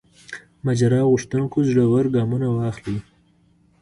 ماجرا غوښتونکو زړه ور ګامونه واخلي.